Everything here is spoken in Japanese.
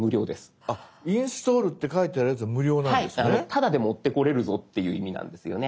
タダで持ってこれるぞっていう意味なんですよね。